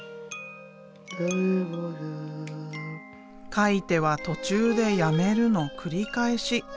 描いては途中でやめるの繰り返し。